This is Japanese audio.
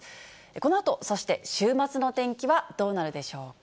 このあと、そして週末の天気はどうなるでしょうか。